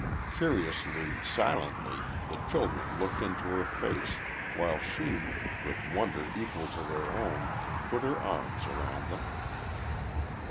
Curiously, silently, the children looked into her face, while she, with wonder equal to their own, put her arms around them.